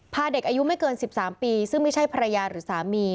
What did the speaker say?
พาเด็กอายุไม่เกิน๑๓ปีซึ่งไม่ใช่ภรรยาหรือสามี